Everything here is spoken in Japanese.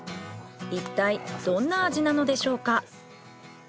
いったいどんな味なのでしょうか。